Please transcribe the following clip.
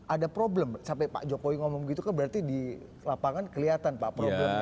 ada problem sampai pak jokowi ngomong gitu kan berarti di lapangan kelihatan pak problemnya